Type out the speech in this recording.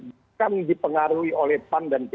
bukan dipengaruhi oleh pan dan p tiga